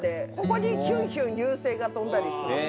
ここにヒュンヒュン流星が飛んだりする星が。